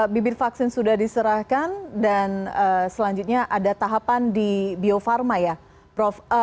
bibir vaksin sudah diserahkan dan selanjutnya ada tahapan di biofarma ya prof